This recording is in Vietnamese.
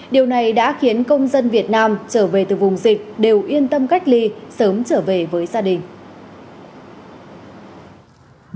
điều này đã khiến công dân việt nam trở về từ vùng dịch đều yên tâm cách ly sớm trở về với gia đình